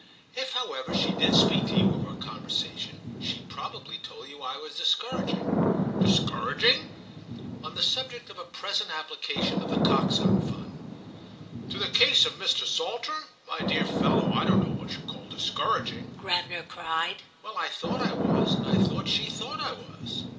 If however she did speak to you of our conversation she probably told you I was discouraging." "Discouraging?" "On the subject of a present application of The Coxon Fund." "To the case of Mr. Saltram? My dear fellow, I don't know what you call discouraging!" Gravener cried. "Well I thought I was, and I thought she thought I was."